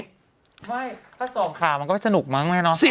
ถ้าส่องขามันก็ไม่สนุกมั้งเลยเนอะ